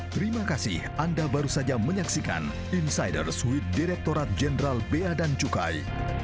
terima kasih anda baru saja menyaksikan insider suite direktorat jenderal bea dan cukai